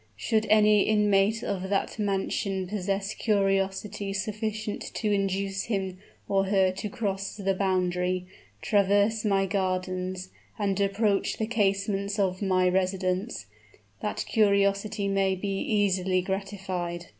Should any inmate of that mansion possess curiosity sufficient to induce him or her to cross the boundary, traverse my gardens, and approach the casements of my residence, that curiosity may be easily gratified."